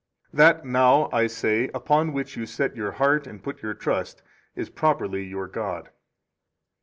That now, I say, upon which you set your heart and put your trust is properly your god.